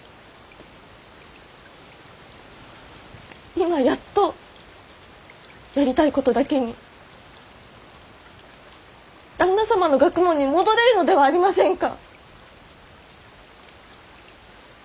今やっとやりたいことだけに旦那様の学問に戻れるのではありませんか！